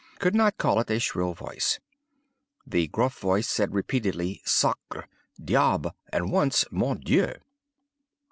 Could not call it a shrill voice. The gruff voice said repeatedly 'sacré,' 'diable,' and once '_mon Dieu.